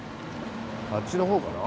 あっちの方かな？